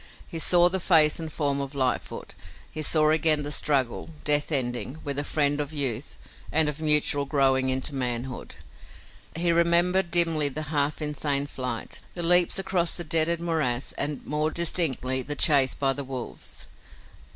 He saw the face and form of Lightfoot; he saw again the struggle, death ending, with the friend of youth and of mutual growing into manhood. He remembered dimly the half insane flight, the leaps across the dreaded morass and, more distinctly, the chase by the wolves.